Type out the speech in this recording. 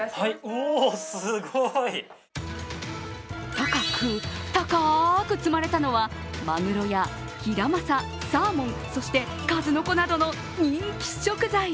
高く、高く積まれたのはまぐろやひらまさ、サーモン、そして数の子などの人気食材。